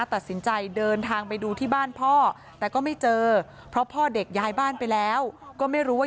ตัดสินใจเดินทางไปดูที่บ้านพ่อแต่ก็ไม่เจอเพราะพ่อเด็กย้ายบ้านไปแล้วก็ไม่รู้ว่า